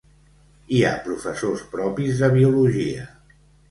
Hi ha professors propis de Biologia